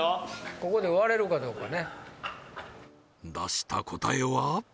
ここで割れるかどうかね出した答えは？